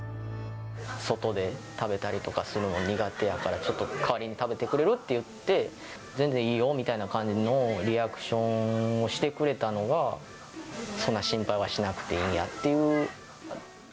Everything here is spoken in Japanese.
外で食べたりとかするの苦手やから、ちょっと代わりに食べてくれる？って言って、全然いいよみたいな感じのリアクションをしてくれたのが、そんな心配はしなくていいんだっていう。